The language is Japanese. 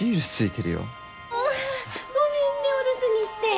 ごめんねお留守にして。